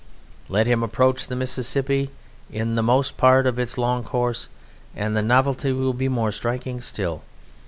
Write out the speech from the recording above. Let him approach the Mississippi in the most part of its long course and the novelty will be more striking still.